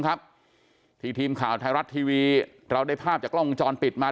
ครับที่ทีมข่าวไทยรัฐทีวีเราได้ภาพจากกล้องวงจรปิดมา